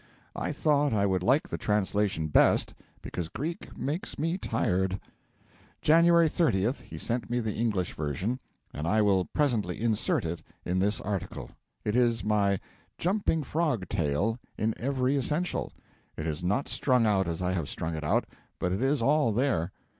I thought I would like the translation best, because Greek makes me tired. January 30th he sent me the English version, and I will presently insert it in this article. It is my 'Jumping Frog' tale in every essential. It is not strung out as I have strung it out, but it is all there.